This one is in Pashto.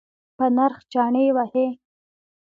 په نرخ چنی وهئ؟